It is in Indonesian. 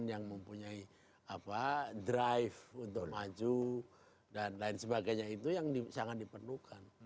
yang mempunyai drive untuk maju dan lain sebagainya itu yang sangat diperlukan